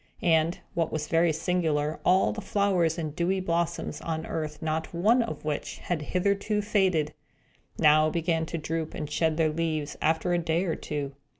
And, what was very singular, all the flowers and dewy blossoms on earth not one of which had hitherto faded, now began to droop and shed their leaves, after a day or two.